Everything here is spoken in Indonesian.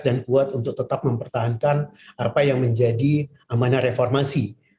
kuat untuk tetap mempertahankan apa yang menjadi amanah reformasi